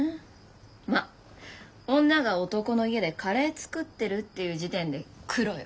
まっ女が男の家でカレー作ってるっていう時点でクロよ。